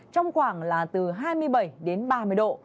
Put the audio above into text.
trong khoảng là từ hai mươi bảy đến ba mươi độ